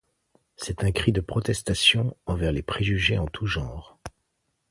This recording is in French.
C'est un cri de protestation envers les préjugés en tout genre.